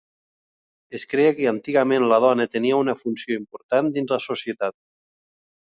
Es creia que antigament la dona tenia una funció important dins la societat?